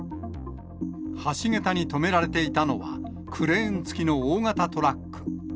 橋桁に止められていたのは、クレーン付きの大型トラック。